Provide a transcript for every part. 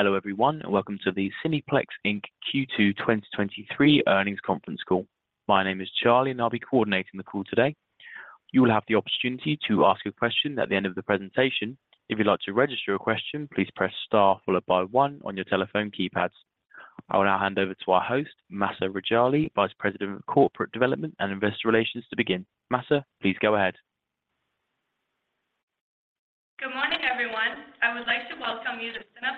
Hello, everyone, and welcome to the Cineplex Inc. Q2 2023 earnings conference call. My name is Charlie, and I'll be coordinating the call today. You will have the opportunity to ask a question at the end of the presentation. If you'd like to register a question, please press star followed by one on your telephone keypads. I will now hand over to our host, Mahsa Rejali, Vice President of Corporate Development and Investor Relations, to begin. Mahsa, please go ahead. Good morning, everyone. I would like to welcome you to Cineplex's second quarter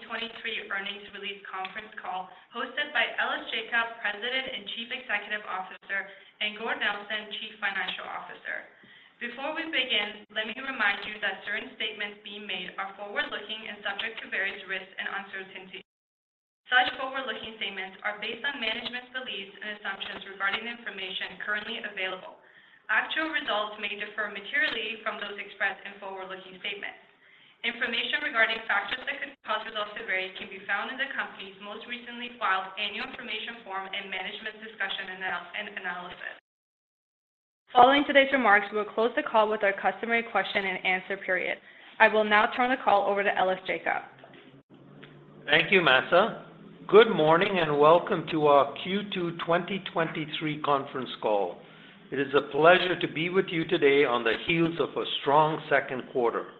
2023 earnings release conference call, hosted by Ellis Jacob, President and Chief Executive Officer, and Gord Nelson, Chief Financial Officer. Before we begin, let me remind you that certain statements being made are forward-looking and subject to various risks and uncertainties. Such forward-looking statements are based on management's beliefs and assumptions regarding the information currently available. Actual results may differ materially from those expressed in forward-looking statements. Information regarding factors that could cause results to vary can be found in the company's most recently filed annual information form and management's discussion and analysis. Following today's remarks, we'll close the call with our customary question and answer period. I will now turn the call over to Ellis Jacob. Thank you, Mahsa. Good morning, and welcome to our Q2 2023 conference call. It is a pleasure to be with you today on the heels of a strong second quarter.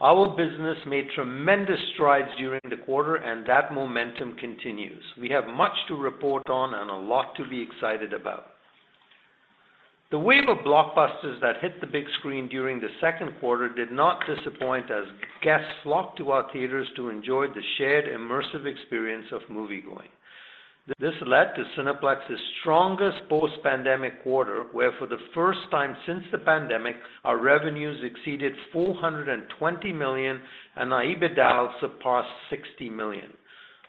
Our business made tremendous strides during the quarter, and that momentum continues. We have much to report on and a lot to be excited about. The wave of blockbusters that hit the big screen during the second quarter did not disappoint as guests flocked to our theaters to enjoy the shared immersive experience of moviegoing. This led to Cineplex's strongest post-pandemic quarter, where for the first time since the pandemic, our revenues exceeded 420 million, and our EBITDA surpassed 60 million.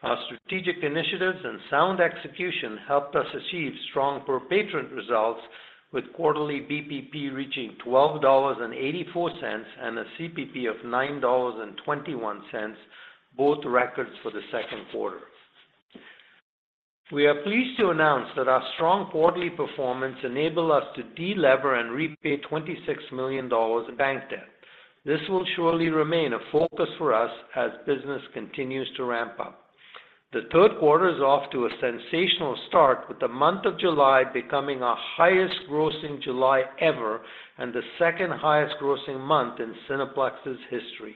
Our strategic initiatives and sound execution helped us achieve strong per-patron results, with quarterly BPP reaching $12.84, and a CPP of $9.21, both records for the second quarter. We are pleased to announce that our strong quarterly performance enabled us to delever and repay $26 million in bank debt. This will surely remain a focus for us as business continues to ramp up. The third quarter is off to a sensational start, with the month of July becoming our highest grossing July ever and the second highest grossing month in Cineplex's history.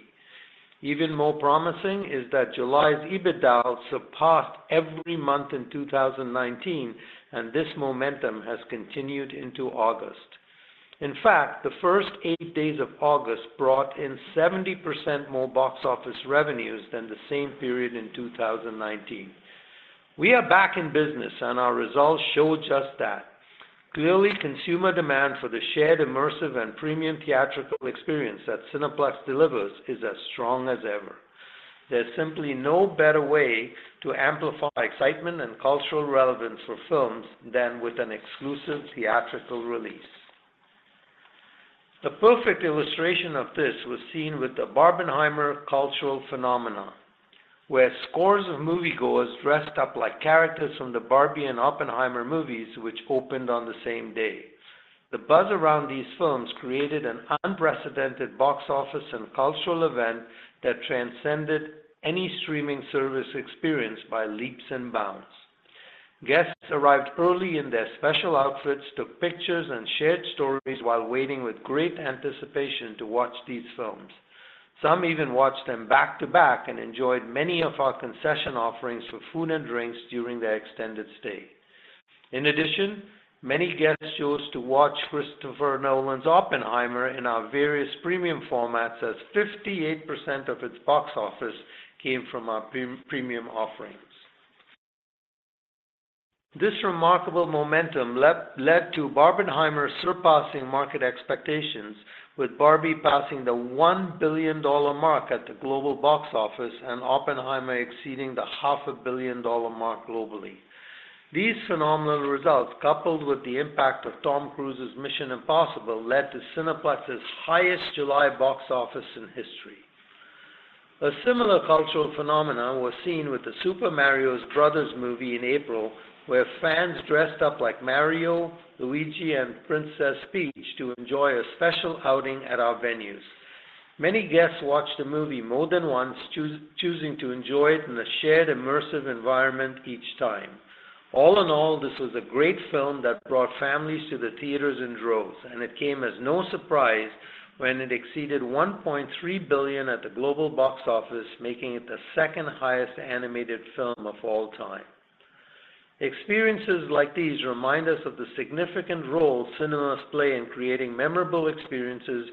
Even more promising is that July's EBITDA surpassed every month in 2019, and this momentum has continued into August. In fact, the first eight days of August brought in 70% more box office revenues than the same period in 2019. We are back in business. Our results show just that. Clearly, consumer demand for the shared, immersive, and premium theatrical experience that Cineplex delivers is as strong as ever. There's simply no better way to amplify excitement and cultural relevance for films than with an exclusive theatrical release. The perfect illustration of this was seen with the Barbenheimer cultural phenomenon, where scores of moviegoers dressed up like characters from the Barbie and Oppenheimer movies, which opened on the same day. The buzz around these films created an unprecedented box office and cultural event that transcended any streaming service experience by leaps and bounds. Guests arrived early in their special outfits, took pictures, and shared stories while waiting with great anticipation to watch these films. Some even watched them back-to-back and enjoyed many of our concession offerings for food and drinks during their extended stay. In addition, many guests chose to watch Christopher Nolan's Oppenheimer in our various premium formats as 58% of its box office came from our pre- premium offerings. This remarkable momentum led to Barbenheimer surpassing market expectations, with Barbie passing the $1 billion mark at the global box office and Oppenheimer exceeding the $500 million mark globally. These phenomenal results, coupled with the impact of Tom Cruise's Mission Impossible, led to Cineplex's highest July box office in history. A similar cultural phenomenon was seen with the Super Mario Bros. Movie in April, where fans dressed up like Mario, Luigi, and Princess Peach to enjoy a special outing at our venues. Many guests watched the movie more than once, choosing to enjoy it in a shared, immersive environment each time. All in all, this was a great film that brought families to the theaters in droves, and it came as no surprise when it exceeded $1.3 billion at the global box office, making it the second-highest animated film of all time. Experiences like these remind us of the significant role cinemas play in creating memorable experiences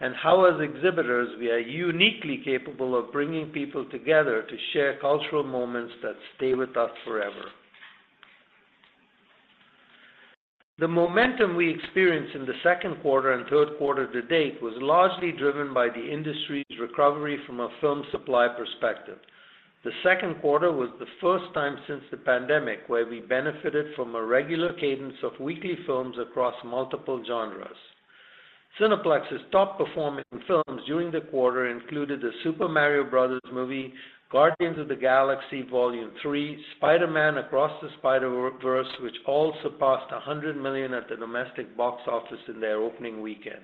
and how, as exhibitors, we are uniquely capable of bringing people together to share cultural moments that stay with us forever. The momentum we experienced in the second quarter and third quarter to date was largely driven by the industry's recovery from a film supply perspective. The second quarter was the first time since the pandemic where we benefited from a regular cadence of weekly films across multiple genres. Cineplex's top-performing films during the quarter included The Super Mario Bros. Movie-... Guardians of the Galaxy Vol. 3, Spider-Man: Across the Spider-Verse, which all surpassed $100 million at the domestic box office in their opening weekend.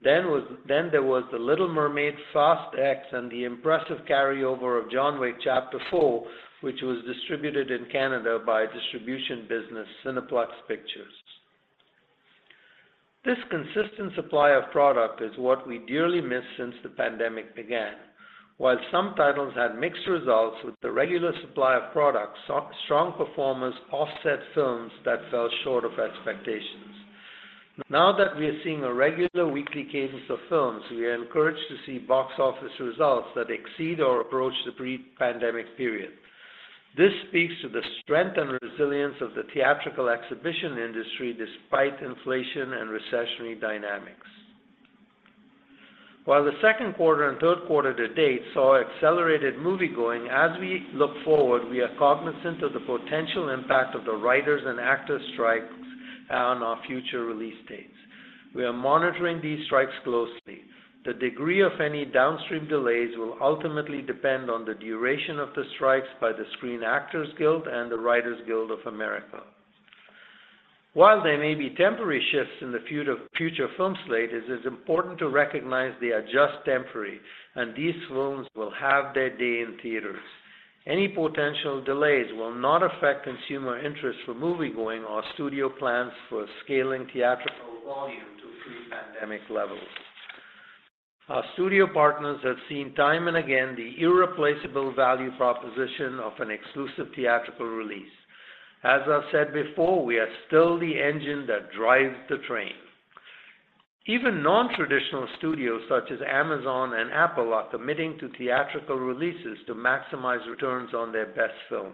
There was The Little Mermaid, Fast X, and the impressive carryover of John Wick: Chapter 4, which was distributed in Canada by distribution business, Cineplex Pictures. This consistent supply of product is what we dearly missed since the pandemic began. While some titles had mixed results with the regular supply of products, strong performance offset films that fell short of expectations. Now that we are seeing a regular weekly cadence of films, we are encouraged to see box office results that exceed or approach the pre-pandemic period. This speaks to the strength and resilience of the theatrical exhibition industry despite inflation and recessionary dynamics. While the second quarter and third quarter to date saw accelerated moviegoing, as we look forward, we are cognizant of the potential impact of the writers and actors strikes on our future release dates. We are monitoring these strikes closely. The degree of any downstream delays will ultimately depend on the duration of the strikes by the Screen Actors Guild and the Writers Guild of America. While there may be temporary shifts in the future film slate, it is important to recognize they are just temporary, and these films will have their day in theaters. Any potential delays will not affect consumer interest for moviegoing or studio plans for scaling theatrical volume to pre-pandemic levels. Our studio partners have seen time and again the irreplaceable value proposition of an exclusive theatrical release. As I've said before, we are still the engine that drives the train. Even non-traditional studios such as Amazon and Apple, are committing to theatrical releases to maximize returns on their best films.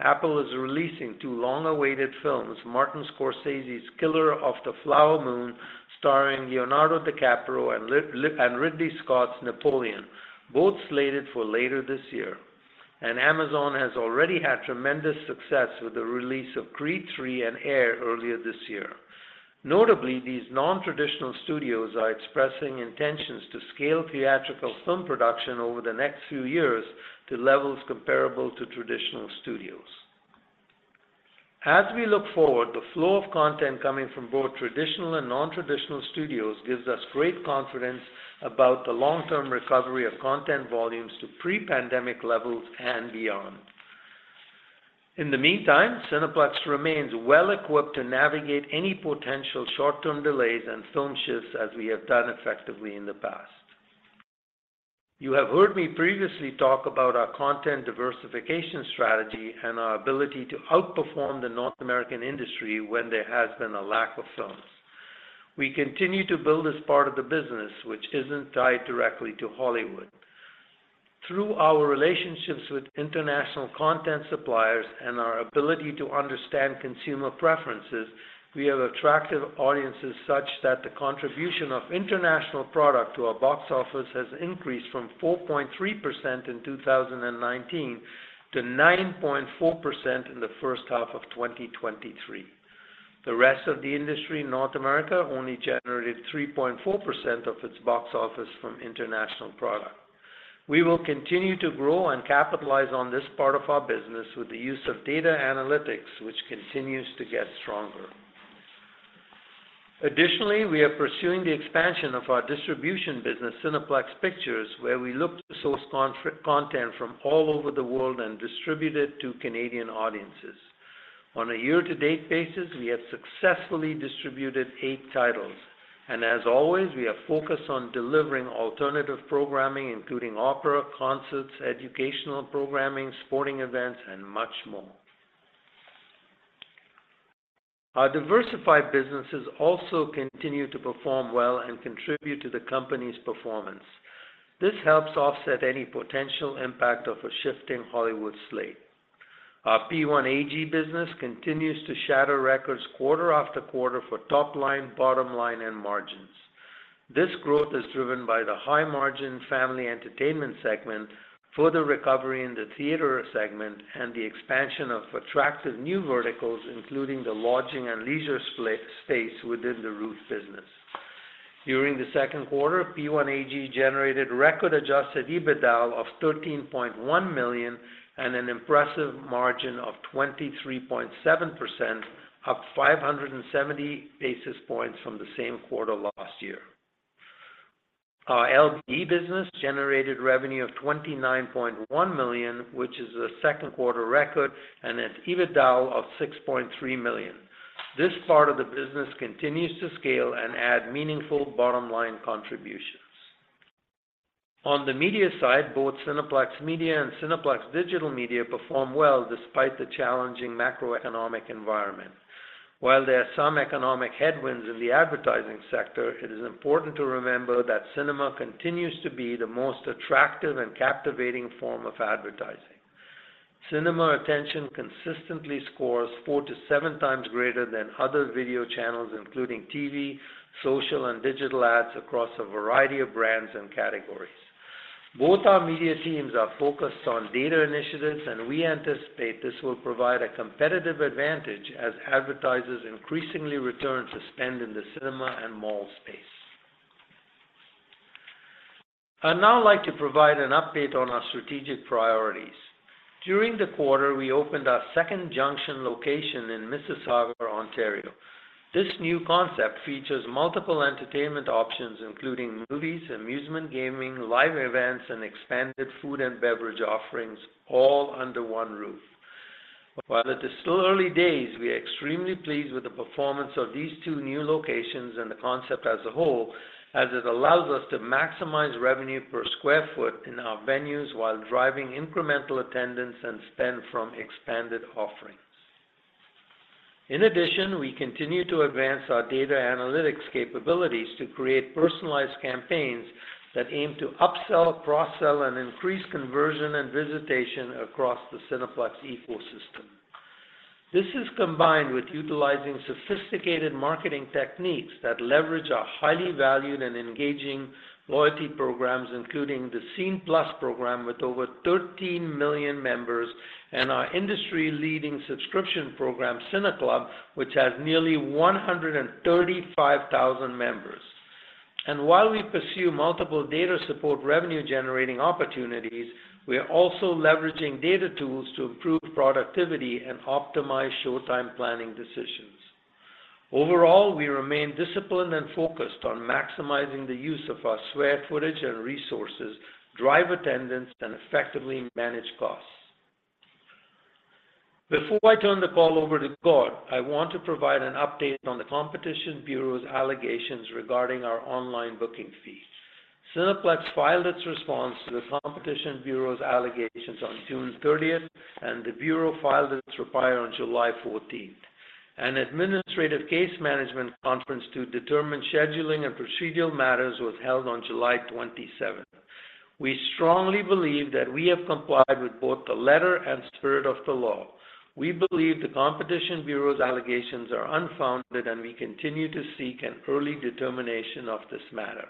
Apple is releasing two long-awaited films, Martin Scorsese's Killers of the Flower Moon, starring Leonardo DiCaprio, and Ridley Scott's Napoleon, both slated for later this year. Amazon has already had tremendous success with the release of Creed III and Air earlier this year. Notably, these non-traditional studios are expressing intentions to scale theatrical film production over the next few years to levels comparable to traditional studios. As we look forward, the flow of content coming from both traditional and non-traditional studios gives us great confidence about the long-term recovery of content volumes to pre-pandemic levels and beyond. In the meantime, Cineplex remains well-equipped to navigate any potential short-term delays and film shifts as we have done effectively in the past. You have heard me previously talk about our content diversification strategy and our ability to outperform the North American industry when there has been a lack of films. We continue to build this part of the business, which isn't tied directly to Hollywood. Through our relationships with international content suppliers and our ability to understand consumer preferences, we have attracted audiences such that the contribution of international product to our box office has increased from 4.3% in 2019 to 9.4% in the first half of 2023. The rest of the industry in North America only generated 3.4% of its box office from international product. We will continue to grow and capitalize on this part of our business with the use of data analytics, which continues to get stronger. Additionally, we are pursuing the expansion of our distribution business, Cineplex Pictures, where we look to source content from all over the world and distribute it to Canadian audiences. On a year-to-date basis, we have successfully distributed eight titles, and as always, we are focused on delivering alternative programming, including opera, concerts, educational programming, sporting events, and much more. Our diversified businesses also continue to perform well and contribute to the company's performance. This helps offset any potential impact of a shifting Hollywood slate. Our P1AG business continues to shatter records quarter after quarter for top line, bottom line, and margins. This growth is driven by the high-margin family entertainment segment, further recovery in the theater segment, and the expansion of attractive new verticals, including the lodging and leisure space within the roof business. During the second quarter, P1AG generated record adjusted EBITDA of 13.1 million and an impressive margin of 23.7%, up 570 basis points from the same quarter last year. Our LBE business generated revenue of 29.1 million, which is a second quarter record and an EBITDA of 6.3 million. This part of the business continues to scale and add meaningful bottom-line contributions. On the media side, both Cineplex Media and Cineplex Digital Media perform well despite the challenging macroeconomic environment. While there are some economic headwinds in the advertising sector, it is important to remember that cinema continues to be the most attractive and captivating form of advertising. Cinema attention consistently scores 4 to 7 times greater than other video channels, including TV, social, and digital ads, across a variety of brands and categories. Both our media teams are focused on data initiatives, and we anticipate this will provide a competitive advantage as advertisers increasingly return to spend in the cinema and mall space. I'd now like to provide an update on our strategic priorities. During the quarter, we opened our second Junction location in Mississauga, Ontario. This new concept features multiple entertainment options, including movies, amusement gaming, live events, and expanded food and beverage offerings, all under one roof. While it is still early days, we are extremely pleased with the performance of these two new locations and the concept as a whole, as it allows us to maximize revenue per sq ft in our venues, while driving incremental attendance and spend from expanded offerings. In addition, we continue to advance our data analytics capabilities to create personalized campaigns that aim to upsell, cross-sell, and increase conversion and visitation across the Cineplex ecosystem. This is combined with utilizing sophisticated marketing techniques that leverage our highly valued and engaging loyalty programs, including the Scene+ program with over 13 million members, and our industry-leading subscription program, CineClub, which has nearly 135,000 members. While we pursue multiple data support revenue-generating opportunities, we are also leveraging data tools to improve productivity and optimize showtime planning decisions. Overall, we remain disciplined and focused on maximizing the use of our square footage and resources, drive attendance, and effectively manage costs. Before I turn the call over to Gord, I want to provide an update on the Competition Bureau's allegations regarding our online booking fees. Cineplex filed its response to the Competition Bureau's allegations on June 30th, and the Bureau filed its reply on July 14th. An administrative case management conference to determine scheduling and procedural matters was held on July 27th. We strongly believe that we have complied with both the letter and spirit of the law. We believe the Competition Bureau's allegations are unfounded, and we continue to seek an early determination of this matter.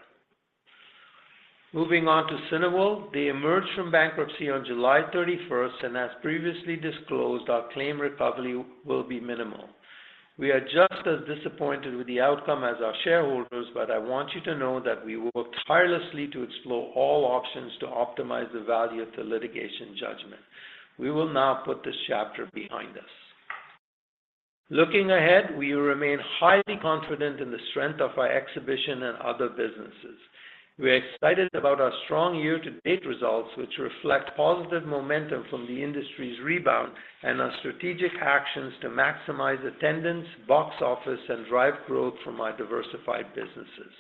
Moving on to Cineworld. They emerged from bankruptcy on July thirty-first, and as previously disclosed, our claim recovery will be minimal. We are just as disappointed with the outcome as our shareholders, but I want you to know that we worked tirelessly to explore all options to optimize the value of the litigation judgment. We will now put this chapter behind us. Looking ahead, we remain highly confident in the strength of our exhibition and other businesses. We're excited about our strong year-to-date results, which reflect positive momentum from the industry's rebound and our strategic actions to maximize attendance, box office, and drive growth from our diversified businesses.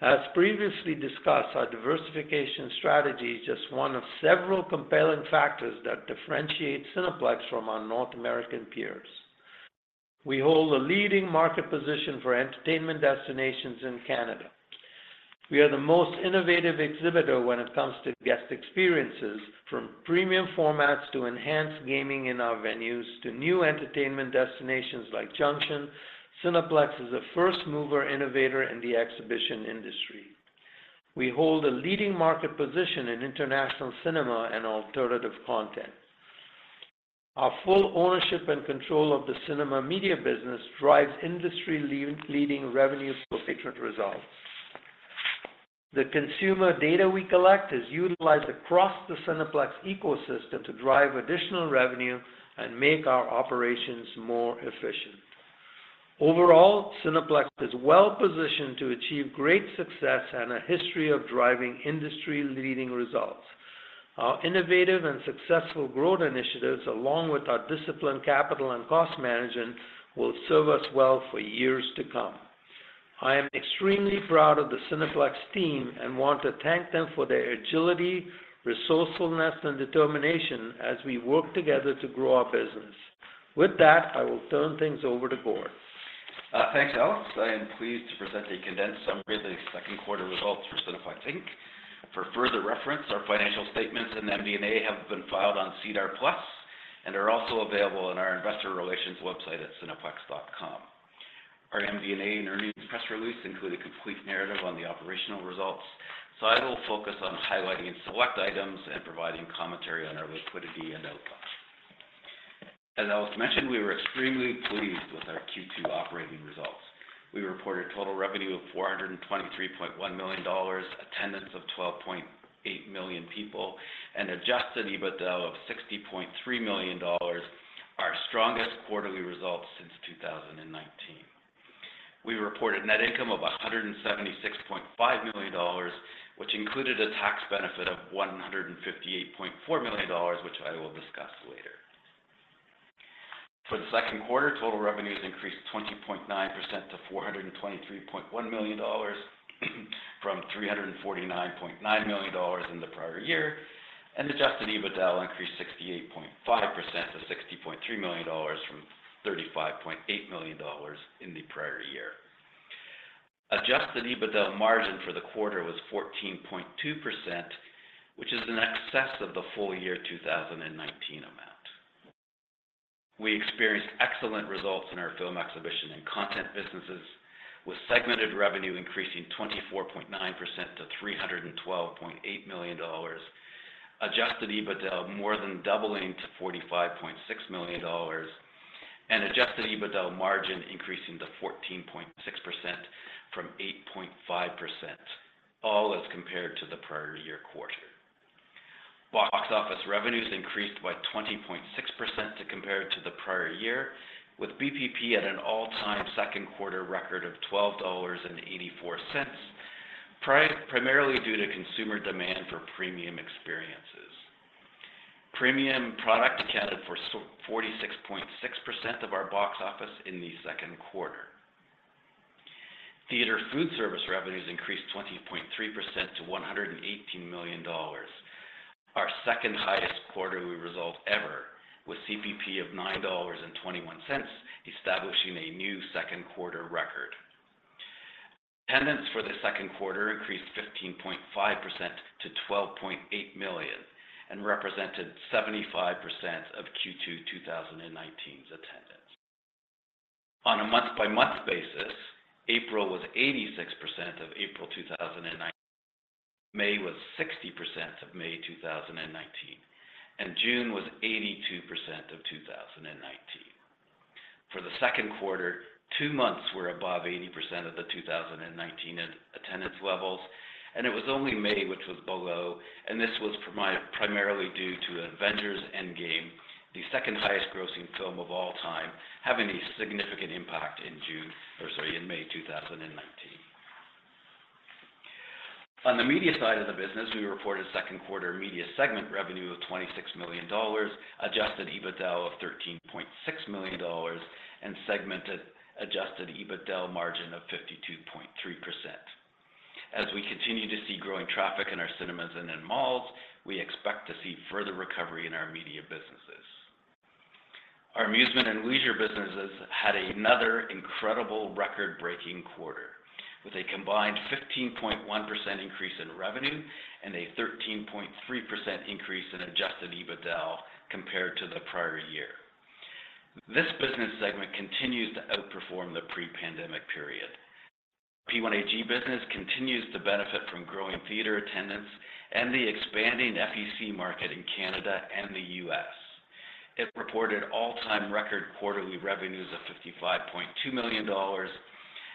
As previously discussed, our diversification strategy is just one of several compelling factors that differentiate Cineplex from our North American peers. We hold a leading market position for entertainment destinations in Canada. We are the most innovative exhibitor when it comes to guest experiences, from premium formats to enhanced gaming in our venues, to new entertainment destinations like Junction. Cineplex is a first-mover innovator in the exhibition industry. We hold a leading market position in international cinema and alternative content. Our full ownership and control of the cinema media business drives industry-leading revenue per patron results. The consumer data we collect is utilized across the Cineplex ecosystem to drive additional revenue and make our operations more efficient. Overall, Cineplex is well positioned to achieve great success and a history of driving industry-leading results. Our innovative and successful growth initiatives, along with our disciplined capital and cost management, will serve us well for years to come. I am extremely proud of the Cineplex team and want to thank them for their agility, resourcefulness, and determination as we work together to grow our business. With that, I will turn things over to Gord. Thanks, Alex. I am pleased to present a condensed summary of the second quarter results for Cineplex Inc. For further reference, our financial statements and MD&A have been filed on SEDAR+ and are also available on our investor relations website at cineplex.com. Our MD&A and earnings press release include a complete narrative on the operational results. I will focus on highlighting select items and providing commentary on our liquidity and outlook. As Alex mentioned, we were extremely pleased with our Q2 operating results. We reported total revenue of $423.1 million, attendance of 12.8 million people, and adjusted EBITDA of $60.3 million, our strongest quarterly results since 2019. We reported net income of 176.5 million dollars, which included a tax benefit of 158.4 million dollars, which I will discuss later. For the second quarter, total revenues increased 20.9% to 423.1 million dollars, from 349.9 million dollars in the prior year, and adjusted EBITDA increased 68.5% to 60.3 million dollars from 35.8 million dollars in the prior year. Adjusted EBITDA margin for the quarter was 14.2%, which is in excess of the full year 2019 amount. We experienced excellent results in our film exhibition and content businesses, with segmented revenue increasing 24.9-... 312.8 million dollars. Adjusted EBITDA more than doubling to 45.6 million dollars, and adjusted EBITDA margin increasing to 14.6% from 8.5%, all as compared to the prior year quarter. Box office revenues increased by 20.6% to compare to the prior year, with BPP at an all-time second quarter record of 12.84 dollars, primarily due to consumer demand for premium experiences. Premium product accounted for 46.6% of our box office in the second quarter. Theater food service revenues increased 20.3% to 118 million dollars, our second highest quarterly result ever, with CBP of 9.21 dollars, establishing a new second quarter record. Attendance for the second quarter increased 15.5% to 12.8 million, represented 75% of Q2 2019's attendance. On a month-over-month basis, April was 86% of April 2019, May was 60% of May 2019, June was 82% of 2019. For the second quarter, two months were above 80% of the 2019 attendance levels, it was only May, which was below, this was primarily due to Avengers: Endgame, the second highest grossing film of all time, having a significant impact in June, or sorry, in May 2019. On the media side of the business, we reported second quarter media segment revenue of 26 million dollars, adjusted EBITDA of 13.6 million dollars, and segmented adjusted EBITDA margin of 52.3%. As we continue to see growing traffic in our cinemas and in malls, we expect to see further recovery in our media businesses. Our amusement and leisure businesses had another incredible record-breaking quarter, with a combined 15.1% increase in revenue and a 13.3% increase in adjusted EBITDA compared to the prior year. This business segment continues to outperform the pre-pandemic period. P1AG business continues to benefit from growing theater attendance and the expanding FEC market in Canada and the US. It reported all-time record quarterly revenues of 55.2 million dollars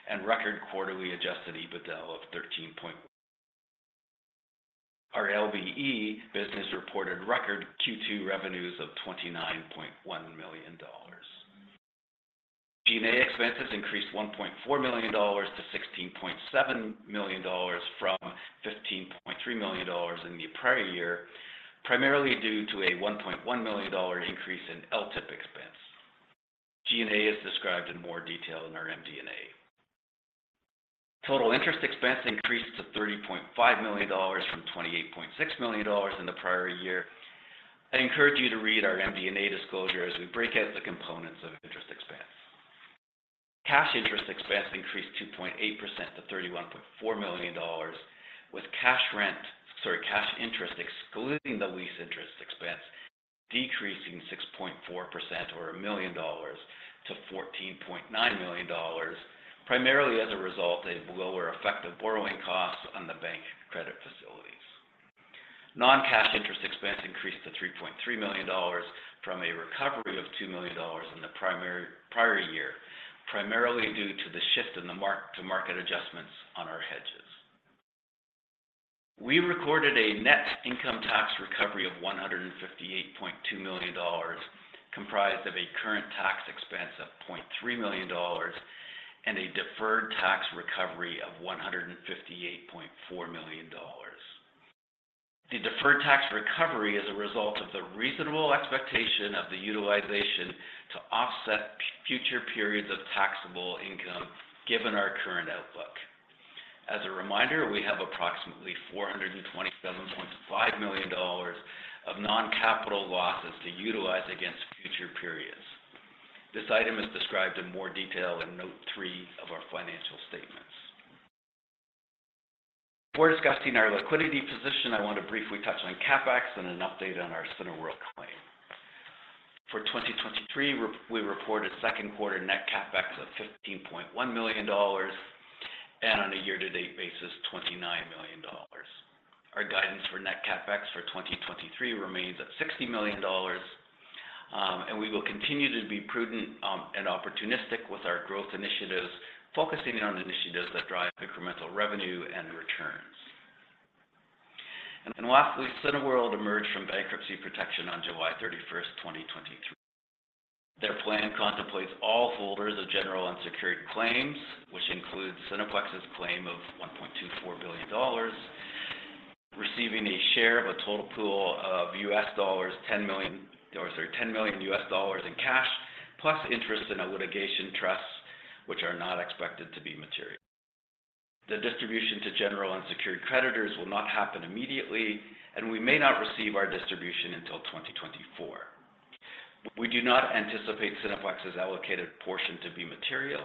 and record quarterly adjusted EBITDA of thirteen point. Our LBE business reported record Q2 revenues of 29.1 million dollars. G&A expenses increased 1.4 million dollars to 16.7 million dollars from 15.3 million dollars in the prior year, primarily due to a 1.1 million dollar increase in LTIP expense. G&A is described in more detail in our MD&A. Total interest expense increased to 30.5 million dollars from 28.6 million dollars in the prior year. I encourage you to read our MD&A disclosure as we break out the components of interest expense. Cash interest expense increased 2.8% to 31.4 million dollars, with cash rent, sorry, cash interest, excluding the lease interest expense, decreasing 6.4% or 1 million dollars to 14.9 million dollars, primarily as a result of lower effective borrowing costs on the bank credit facilities. Non-cash interest expense increased to 3.3 million dollars from a recovery of 2 million dollars in the prior year, primarily due to the shift in the mark-to-market adjustments on our hedges. We recorded a net income tax recovery of 158.2 million dollars, comprised of a current tax expense of 0.3 million dollars and a deferred tax recovery of 158.4 million dollars. The deferred tax recovery is a result of the reasonable expectation of the utilization to offset future periods of taxable income, given our current outlook. As a reminder, we have approximately 427.5 million dollars of non-capital losses to utilize against future periods. This item is described in more detail in note 3 of our financial statements. Before discussing our liquidity position, I want to briefly touch on CapEx and an update on our Cineworld claim. For 2023, we reported second quarter net CapEx of 15.1 million dollars, and on a year-to-date basis, 29 million dollars. Our guidance for net CapEx for 2023 remains at 60 million dollars, and we will continue to be prudent and opportunistic with our growth initiatives, focusing on initiatives that drive incremental revenue and returns. Lastly, Cineworld emerged from bankruptcy protection on July 31st, 2023. Their plan contemplates all holders of general unsecured claims, which includes Cineplex's claim of $1.24 billion, receiving a share of a total pool of $10 million, $10 million in cash, plus interest in a litigation trust, which are not expected to be material. The distribution to general unsecured creditors will not happen immediately. We may not receive our distribution until 2024. We do not anticipate Cineplex's allocated portion to be material.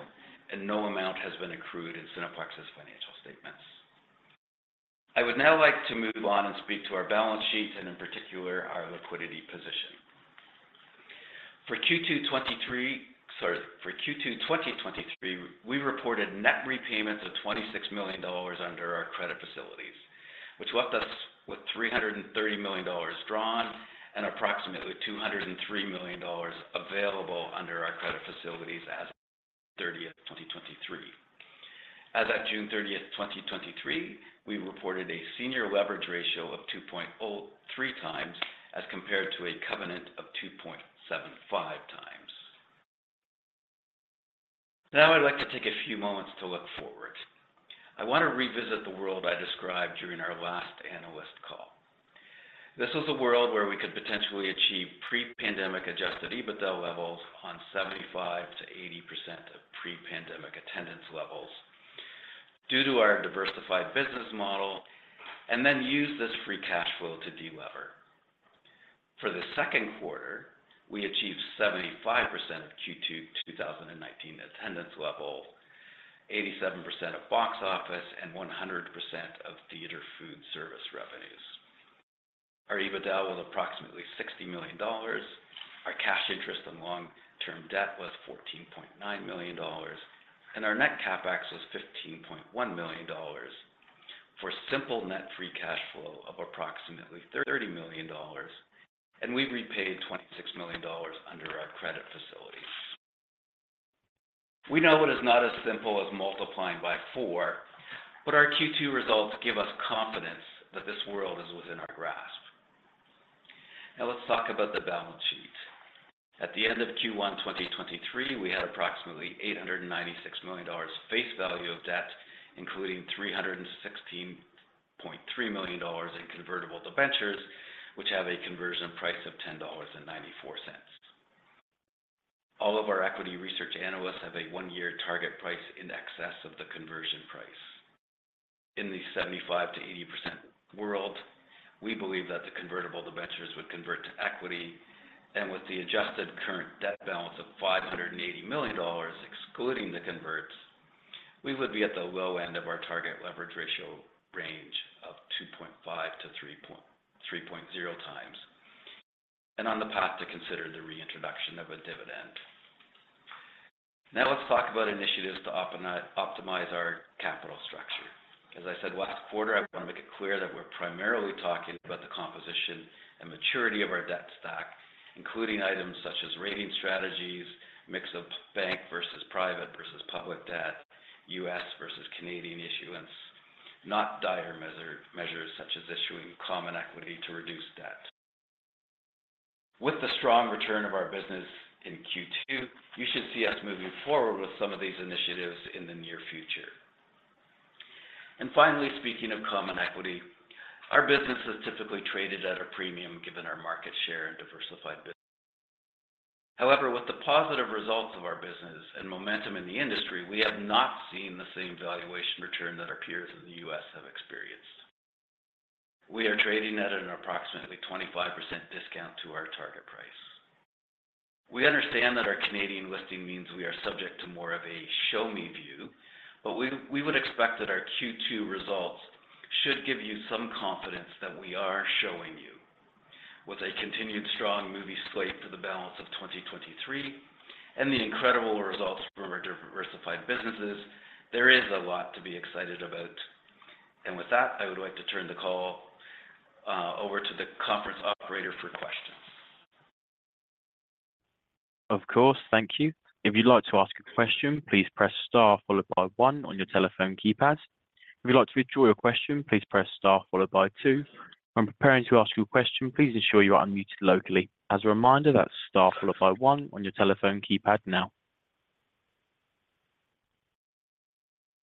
No amount has been accrued in Cineplex's financial statements. I would now like to move on and speak to our balance sheet, and in particular, our liquidity position. For Q2 2023, for Q2 2023, we reported net repayments of 26 million dollars under our credit facilities, which left us with 330 million dollars drawn and approximately 203 million dollars available under our credit facilities as of 30th, 2023. As at June 30th, 2023, we reported a senior leverage ratio of 2.03 times, as compared to a covenant of 2.75 times. I'd like to take a few moments to look forward. I want to revisit the world I described during our last analyst call. This is a world where we could potentially achieve pre-pandemic adjusted EBITDA levels on 75%-80% of pre-pandemic attendance levels due to our diversified business model, then use this free cash flow to delever. For the second quarter, we achieved 75% of Q2 2019 attendance level, 87% of box office, 100% of theater food service revenues. Our EBITDA was approximately 60 million dollars. Our cash interest and long-term term debt was 14.9 million dollars, our net CapEx was 15.1 million dollars, for a simple net free cash flow of approximately 30 million dollars, we've repaid 26 million dollars under our credit facilities. We know it is not as simple as multiplying by four, our Q2 results give us confidence that this world is within our grasp. Now, let's talk about the balance sheet. At the end of Q1 2023, we had approximately $896 million face value of debt, including $316.3 million in convertible debentures, which have a conversion price of $10.94. All of our equity research analysts have a one-year target price in excess of the conversion price. In the 75%-80% world, we believe that the convertible debentures would convert to equity, and with the adjusted current debt balance of $580 million, excluding the converts, we would be at the low end of our target leverage ratio range of 2.5-3.0 times, and on the path to consider the reintroduction of a dividend. Now, let's talk about initiatives to optimize our capital structure. As I said last quarter, I want to make it clear that we're primarily talking about the composition and maturity of our debt stock, including items such as rating strategies, mix of bank versus private versus public debt, US versus Canadian issuance, not dire measure, measures such as issuing common equity to reduce debt. With the strong return of our business in Q2, you should see us moving forward with some of these initiatives in the near future. Finally, speaking of common equity, our business is typically traded at a premium, given our market share and diversified business. However, with the positive results of our business and momentum in the industry, we have not seen the same valuation return that our peers in the US have experienced. We are trading at an approximately 25% discount to our target price. We understand that our Canadian listing means we are subject to more of a show-me view, but we would expect that our Q2 results should give you some confidence that we are showing you. With a continued strong movie slate for the balance of 2023 and the incredible results from our diversified businesses, there is a lot to be excited about. With that, I would like to turn the call over to the conference operator for questions. Of course. Thank you. If you'd like to ask a question, please press Star followed by one on your telephone keypad. If you'd like to withdraw your question, please press Star followed by two. When preparing to ask your question, please ensure you are unmuted locally. As a reminder, that's Star followed by one on your telephone keypad now.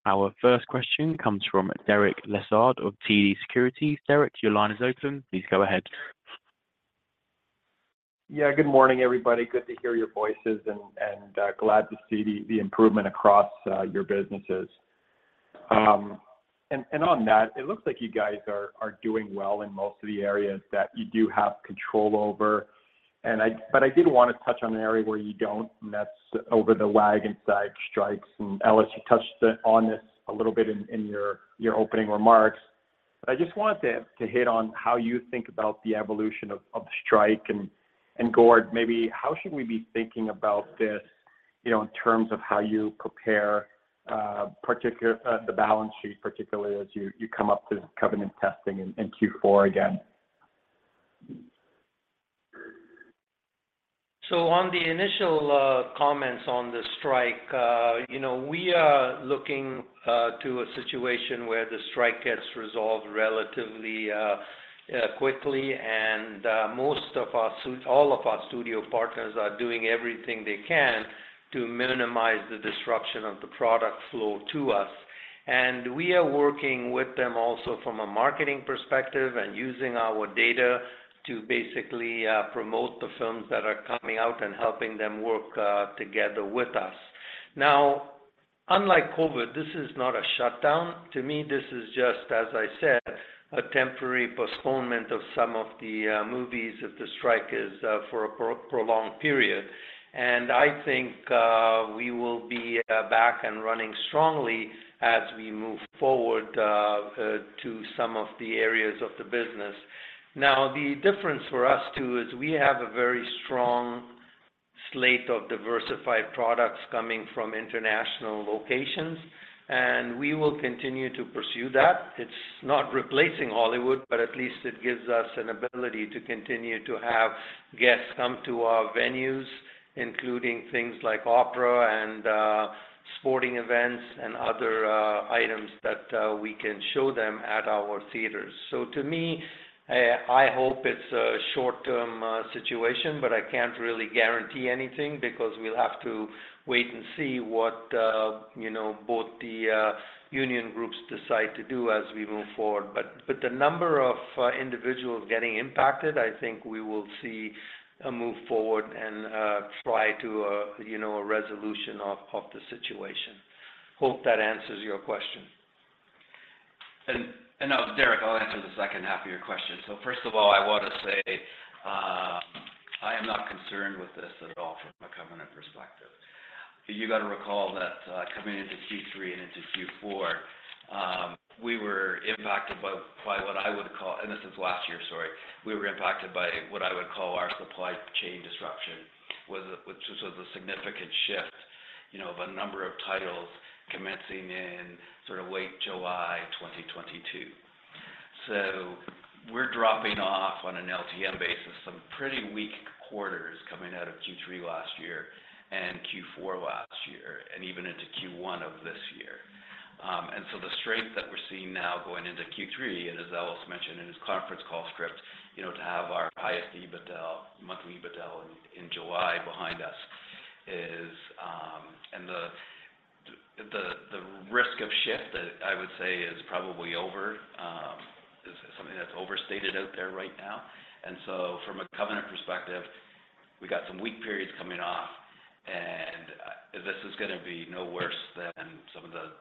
Our first question comes from Derek Lessard of TD Securities. Derek, your line is open. Please go ahead. Yeah, good morning, everybody. Good to hear your voices and, and, glad to see the, the improvement across your businesses. And on that, it looks like you guys are, are doing well in most of the areas that you do have control over. I did want to touch on an area where you don't, and that's over the WGA and SAG-AFTRA strikes. Ellis, you touched on this a little bit in, in your, your opening remarks, but I just wanted to hit on how you think about the evolution of, of the strike. And, Gord, maybe how should we be thinking about this, you know, in terms of how you prepare particular the balance sheet, particularly as you, you come up to covenant testing in, in Q4 again? On the initial comments on the strike, you know, we are looking to a situation where the strike gets resolved relatively quickly. All of our studio partners are doing everything they can to minimize the disruption of the product flow to us. We are working with them also from a marketing perspective and using our data to basically promote the films that are coming out and helping them work together with us. Unlike COVID, this is not a shutdown. To me, this is just, as I said, a temporary postponement of some of the movies if the strike is for a prolonged period. I think, we will be back and running strongly as we move forward to some of the areas of the business. The difference for us, too, is we have a very strong slate of diversified products coming from international locations, and we will continue to pursue that. It's not replacing Hollywood, but at least it gives us an ability to continue to have guests come to our venues, including things like opera and sporting events and other items that we can show them at our theaters. To me, I hope it's a short-term situation, but I can't really guarantee anything because we'll have to wait and see what, you know, both the union groups decide to do as we move forward. The number of individuals getting impacted, I think we will see a move forward and try to, you know, a resolution of, of the situation. Hope that answers your question. Now, Derek, I'll answer the second half of your question. First of all, I want to say, I am not concerned with this at all from a covenant perspective. You got to recall that, coming into Q3 and into Q4, we were impacted by what I would call, and this is last year, sorry. We were impacted by what I would call our supply chain disruption, which was a significant shift, you know, of a number of titles commencing in sort of late July 2022. We're dropping off on an LTM basis, some pretty weak quarters coming out of Q3 last year and Q4 last year, and even into Q1 of this year. The strength that we're seeing now going into Q3, and as Ellis mentioned in his conference call script, you know, to have our highest EBITDA, monthly EBITDA in, in July behind us, is. The risk of shift that I would say is probably over, is something that's overstated out there right now. From a covenant perspective, we got some weak periods coming off. This is gonna be no worse than some of the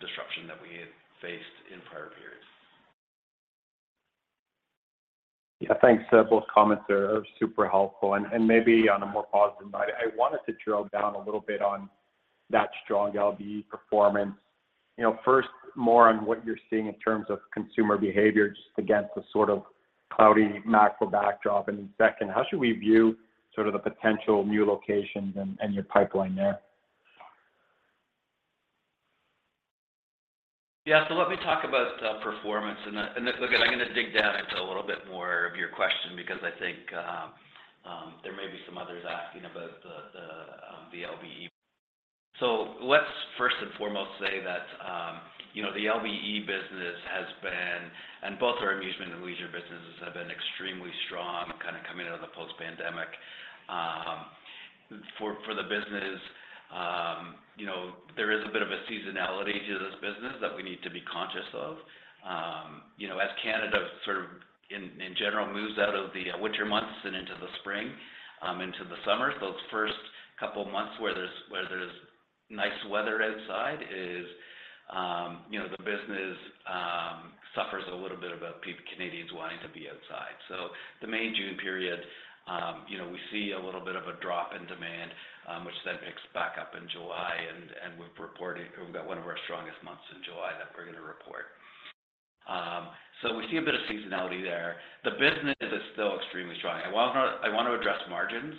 disruption that we had faced in prior periods. Yeah, thanks. Both comments are super helpful. Maybe on a more positive note, I wanted to drill down a little bit on that strong LBE performance. You know, first, more on what you're seeing in terms of consumer behavior, just against the sort of cloudy macro backdrop. Second, how should we view sort of the potential new locations and your pipeline there? Yeah, let me talk about performance. Look, I'm gonna dig down into a little bit more of your question because I think there may be some others asking about the LBE. Let's first and foremost say that, you know, the LBE business has been, and both our amusement and leisure businesses have been extremely strong, kind of coming out of the post-pandemic. For the business, you know, there is a bit of a seasonality to this business that we need to be conscious of. You know, as Canada sort of in, in general, moves out of the winter months and into the spring, into the summer, those first couple of months where there's, where there's nice weather outside is, you know, the business suffers a little bit about Canadians wanting to be outside. The May, June period, you know, we see a little bit of a drop in demand, which then picks back up in July, and we've reported, we've got one of our strongest months in July that we're gonna report. We see a bit of seasonality there. The business is still extremely strong. I want to, I want to address margins,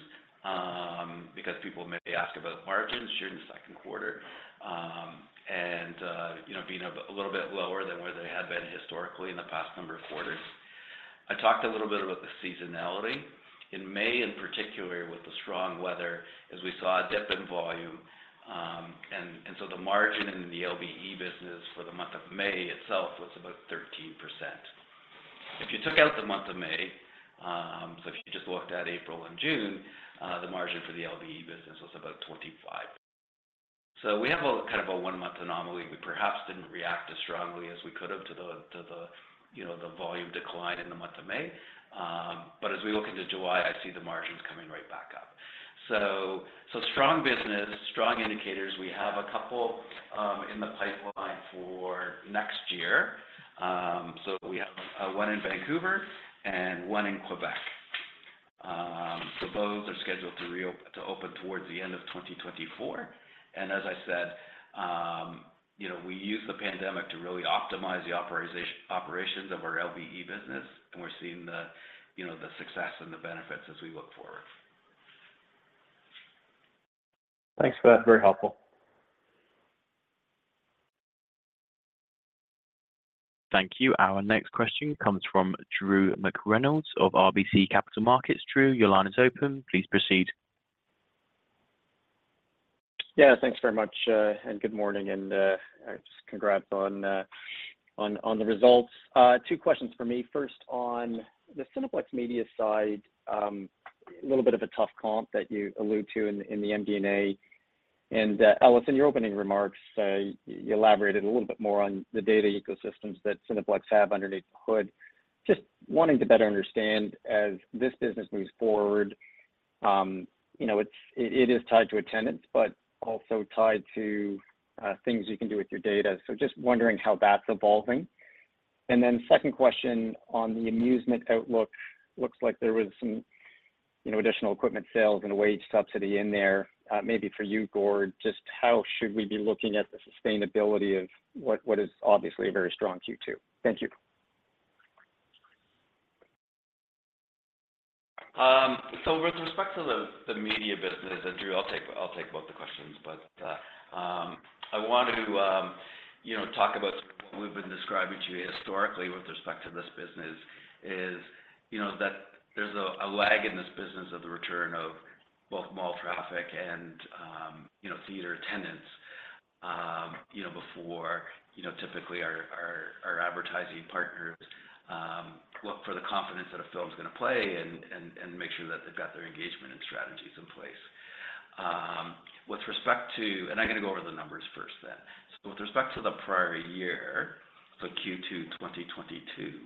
because people may ask about margins here in the second quarter. You know, being a little bit lower than where they had been historically in the past number of quarters. I talked a little bit about the seasonality. In May, in particular, with the strong weather, as we saw a dip in volume, so the margin in the LBE business for the month of May itself was about 13%. If you took out the month of May, if you just looked at April and June, the margin for the LBE business was about 25%. We have a kind of a 1-month anomaly. We perhaps didn't react as strongly as we could have to the, to the, you know, the volume decline in the month of May. As we look into July, I see the margins coming right back up. Strong business, strong indicators. We have a couple in the pipeline for next year. We have one in Vancouver and one in Quebec. Both are scheduled to open towards the end of 2024. As I said, you know, we used the pandemic to really optimize the operations of our LBE business, and we're seeing the, you know, the success and the benefits as we look forward. Thanks for that. Very helpful. Thank you. Our next question comes from Drew McReynolds of RBC Capital Markets. Drew, your line is open. Please proceed. Yeah, thanks very much, and good morning, and just congrats on the, on, on the results. Two questions for me. First, on the Cineplex Media side, a little bit of a tough comp that you allude to in, in the MD&A. Ellis, in your opening remarks, you elaborated a little bit more on the data ecosystems that Cineplex have underneath the hood. Just wanting to better understand, as this business moves forward, you know, it is tied to attendance, but also tied to things you can do with your data. Just wondering how that's evolving? Second question on the amusement outlook. Looks like there was some, you know, additional equipment sales and a wage subsidy in there, maybe for you, Gord.Just how should we be looking at the sustainability of what is obviously a very strong Q2? Thank you. With respect to the, the media business, Drew, I'll take, I'll take both the questions. I want to, you know, talk about what we've been describing to you historically with respect to this business is, you know, that there's a, a lag in this business of the return of both mall traffic and, you know, theater attendance. You know, before, you know, typically our, our, our advertising partners look for the confidence that a film's gonna play and, and, and make sure that they've got their engagement and strategies in place. With respect to-- I'm gonna go over the numbers first then. With respect to the prior year, Q2 2022,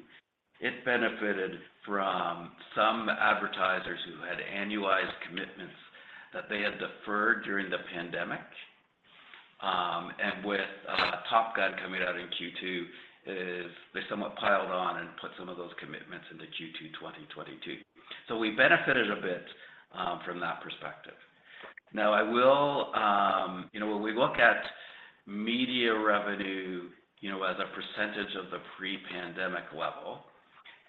it benefited from some advertisers who had annualized commitments that they had deferred during the pandemic. With Top Gun coming out in Q2, is they somewhat piled on and put some of those commitments into Q2 2022. We benefited a bit from that perspective. Now, I will. You know, when we look at media revenue, you know, as a % of the pre-pandemic level,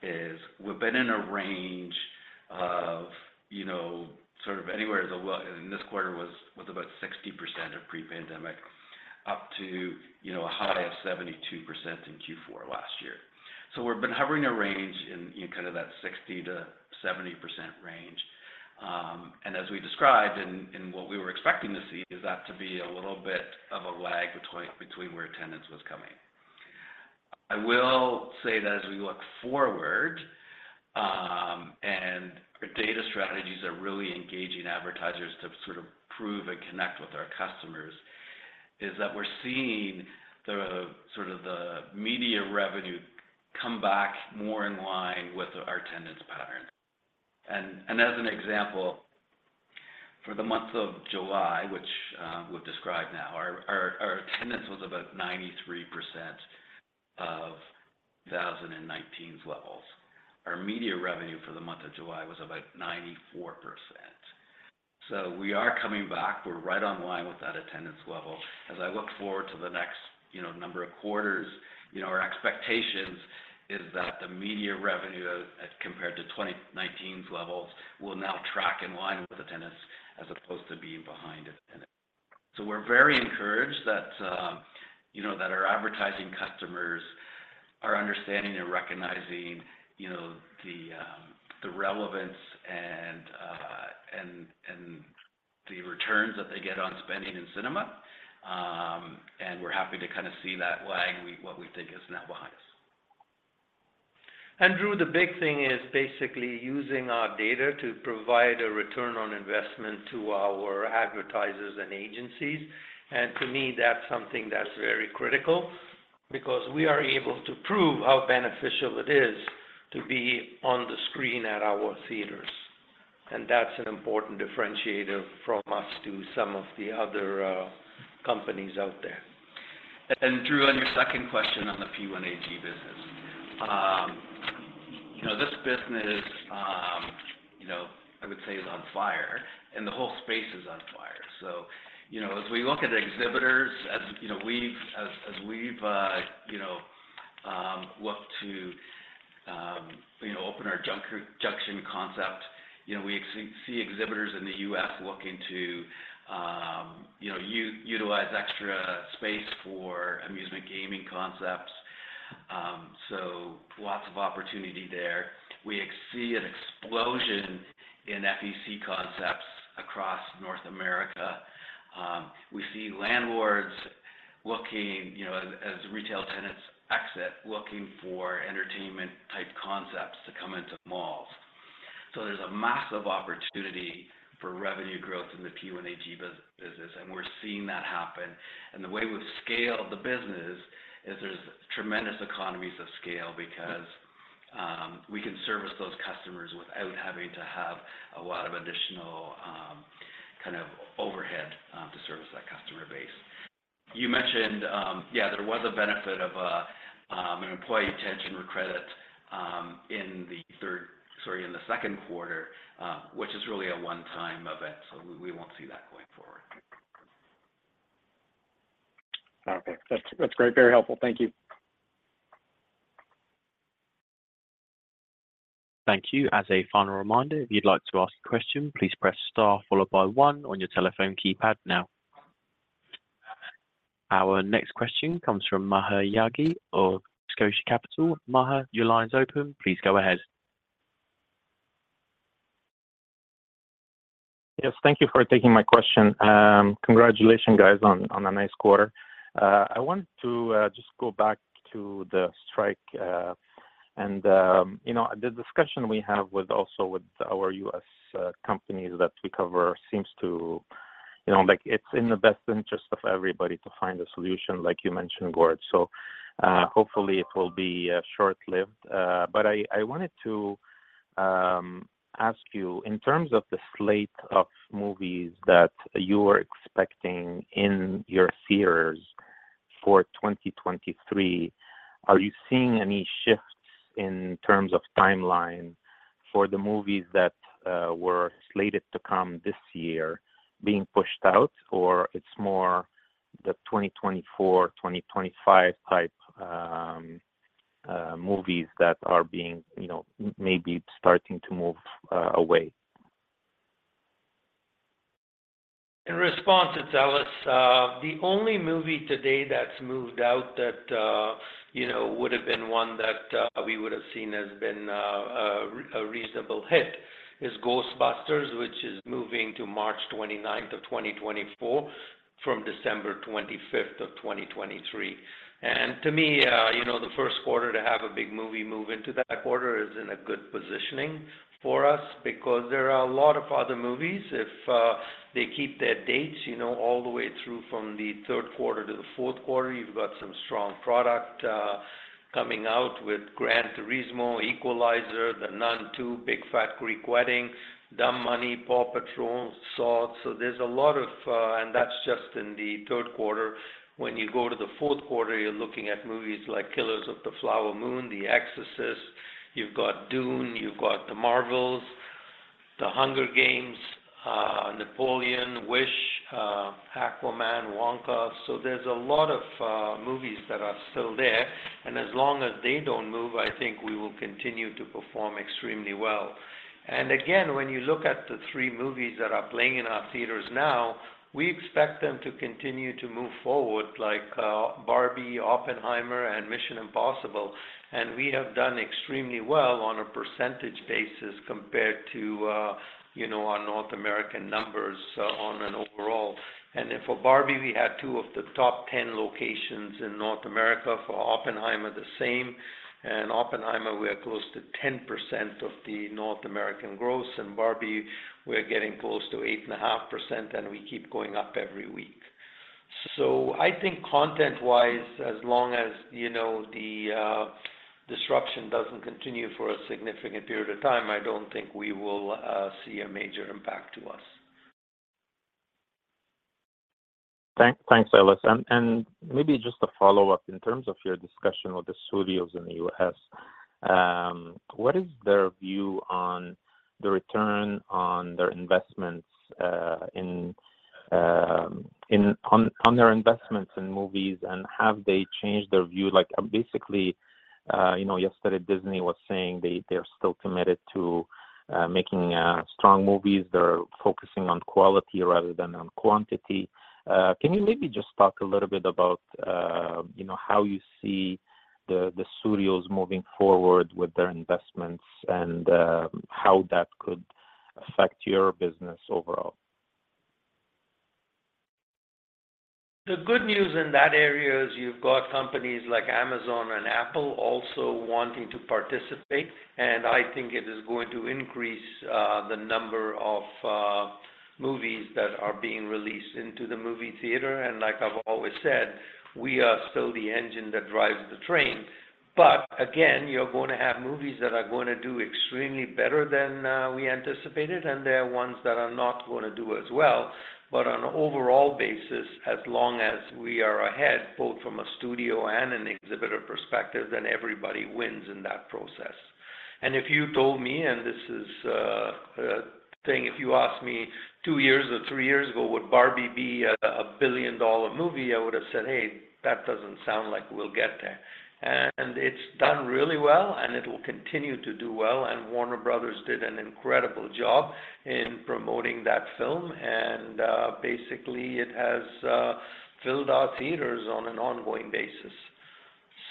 is we've been in a range of, you know, sort of anywhere In this quarter was, was about 60% of pre-pandemic, up to, you know, a high of 72% in Q4 last year. We've been hovering a range in, in kind of that 60%-70% range. As we described in, in what we were expecting to see, is that to be a little bit of a lag between, between where attendance was coming. I will say that as we look forward, and our data strategies are really engaging advertisers to sort of prove and connect with our customers, is that we're seeing sort of the media revenue come back more in line with our attendance patterns. As an example, for the month of July, which we'll describe now, our attendance was about 93% of 2019's levels. Our media revenue for the month of July was about 94%. We are coming back. We're right on line with that attendance level. As I look forward to the next, you know, number of quarters, you know, our expectations is that the media revenue as compared to 2019's levels, will now track in line with attendance, as opposed to being behind attendance. We're very encouraged that, you know, that our advertising customers are understanding and recognizing, you know, the relevance and, and, and the returns that they get on spending in cinema. We're happy to kind of see that lag, what we think is now behind us. Drew, the big thing is basically using our data to provide a ROI to our advertisers and agencies. To me, that's something that's very critical, because we are able to prove how beneficial it is to be on the screen at our theaters. That's an important differentiator from us to some of the other companies out there. Drew, on your second question on the P1AG business. you know, this business, you know, I would say, is on fire, and the whole space is on fire. As, you know, as we look at the exhibitors, as, you know, we've as, as we've, you know, looked to, you know, open our Junction concept, you know, we see exhibitors in the US looking to, you know, utilize extra space for amusement gaming concepts. Lots of opportunity there. We see an explosion in FEC concepts across North America. We see landlords looking, you know, as, as retail tenants exit, looking for entertainment-type concepts to come into malls. There's a massive opportunity for revenue growth in the P1AG business, and we're seeing that happen. The way we've scaled the business is, there's tremendous economies of scale because, we can service those customers without having to have a lot of additional, kind of overhead, to service that customer base. You mentioned, yeah, there was a benefit of an employee retention credit, in the third-- sorry, in the second quarter, which is really a one-time event, so we, we won't see that going forward. Okay. That's, that's great. Very helpful. Thank you. Thank you. As a final reminder, if you'd like to ask a question, please press Star followed by One on your telephone keypad now. Our next question comes from Maher Yaghi of Scotia Capital. Maher, your line is open. Please go ahead. Yes, thank you for taking my question. Congratulations, guys, on, on a nice quarter. I wanted to just go back to the strike. You know, the discussion we have with also with our US companies that we cover, seems to, you know, like it's in the best interest of everybody to find a solution, like you mentioned, Gord. Hopefully, it will be short-lived. I, I wanted to ask you, in terms of the slate of movies that you are expecting in your theaters for 2023, are you seeing any shifts in terms of timeline for the movies that were slated to come this year being pushed out? It's more the 2024, 2025 type movies that are being, you know, maybe starting to move away? In response to Dallas, the only movie today that's moved out that, you know, would have been one that, we would have seen as been, a, a reasonable hit, is Ghostbusters, which is moving to March 29th of 2024, from December 25th of 2023. To me, you know, the 1st quarter to have a big movie move into that quarter is in a good positioning for us because there are a lot of other movies. If, they keep their dates, you know, all the way through from the 3rd quarter to the 4th quarter, you've got some strong product, coming out with Gran Turismo, Equalizer, The Nun II, Big Fat Greek Wedding, Dumb Money, PAW Patrol, Salt. There's a lot of... and that's just in the 3rd quarter. When you go to the fourth quarter, you're looking at movies like Killers of the Flower Moon, The Exorcist. You've got Dune, you've got The Marvels, The Hunger Games, Napoleon, Wish, Aquaman, Wonka. There's a lot of movies that are still there, and as long as they don't move, I think we will continue to perform extremely well. Again, when you look at the 3 movies that are playing in our theaters now, we expect them to continue to move forward, like Barbie, Oppenheimer, and Mission Impossible. We have done extremely well on a percentage basis compared to, you know, our North American numbers on an overall. For Barbie, we had 2 of the top 10 locations in North America. For Oppenheimer, the same. Oppenheimer, we are close to 10% of the North American gross, and Barbie, we're getting close to 8.5%, and we keep going up every week. I think content-wise, as long as, you know, the disruption doesn't continue for a significant period of time, I don't think we will see a major impact to us. Thanks, Ellis. Maybe just a follow-up. In terms of your discussion with the studios in the US, what is their view on the return on their investments in movies, and have they changed their view? Like, basically, you know, yesterday, Disney was saying they're still committed to making strong movies. They're focusing on quality rather than on quantity. Can you maybe just talk a little bit about, you know, how you see the studios moving forward with their investments and how that could affect your business overall? The good news in that area is you've got companies like Amazon and Apple also wanting to participate, and I think it is going to increase the number of movies that are being released into the movie theater. Like I've always said, we are still the engine that drives the train. Again, you're going to have movies that are gonna do extremely better than we anticipated, and there are ones that are not gonna do as well. On an overall basis, as long as we are ahead, both from a studio and an exhibitor perspective, then everybody wins in that process. If you told me, and this is a thing, if you asked me two years or three years ago, would Barbie be a billion-dollar movie? I would have said, "Hey, that doesn't sound like we'll get there." It's done really well, and it will continue to do well, and Warner Bros. did an incredible job in promoting that film, and, basically, it has, filled our theaters on an ongoing basis.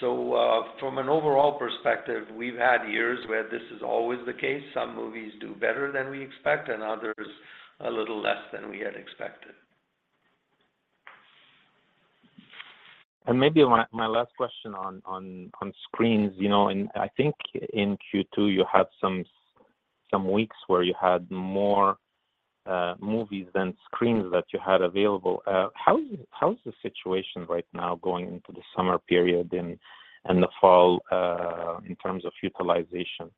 From an overall perspective, we've had years where this is always the case. Some movies do better than we expect and others, a little less than we had expected. Maybe my, my last question on, on, on screens. You know, I think in Q2, you had some, some weeks where you had more movies than screens that you had available. How is the situation right now going into the summer period and, and the fall in terms of utilization?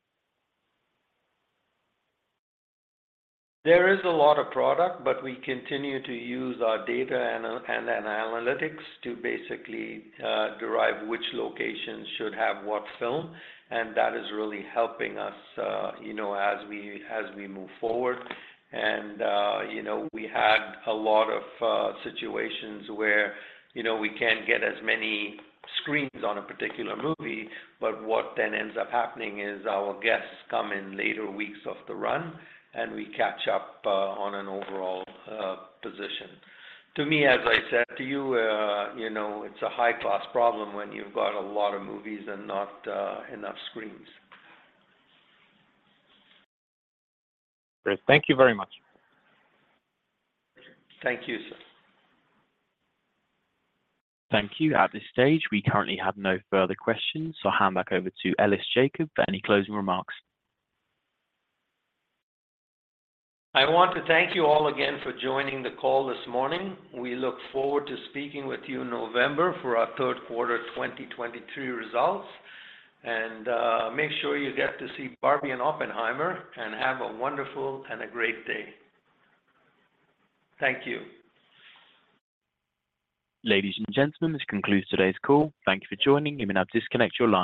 There is a lot of product, but we continue to use our data and analytics to basically derive which locations should have what film, and that is really helping us, you know, as we, as we move forward. You know, we had a lot of situations where, you know, we can't get as many screens on a particular movie, but what then ends up happening is our guests come in later weeks of the run, and we catch up on an overall position. To me, as I said to you, you know, it's a high-class problem when you've got a lot of movies and not enough screens. Great. Thank you very much. Thank you, sir. Thank you. At this stage, we currently have no further questions, so I'll hand back over to Ellis Jacob for any closing remarks. I want to thank you all again for joining the call this morning. We look forward to speaking with you in November for our third quarter 2023 results. Make sure you get to see Barbie and Oppenheimer, and have a wonderful and a great day. Thank you. Ladies and gentlemen, this concludes today's call. Thank you for joining. You may now disconnect your lines.